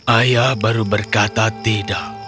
ayah baru berkata tidak